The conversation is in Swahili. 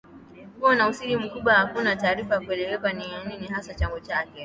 kuwa na usiri mkubwa na hakuna taarifa za kueleweka ni nini hasa chanzo chake